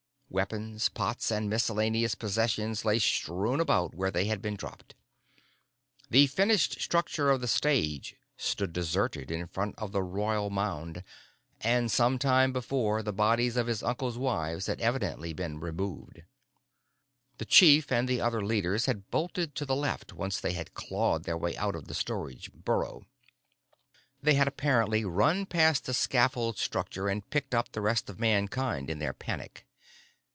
Weapons, pots and miscellaneous possessions lay strewn about where they had been dropped. The finished structure of the Stage stood deserted in front of the royal mound. And some time before, the bodies of his uncle's wives had evidently been removed. The chief and the other leaders had bolted to the left once they had clawed their way out of the storage burrow. They had apparently run past the scaffold structure and picked up the rest of Mankind in their panic.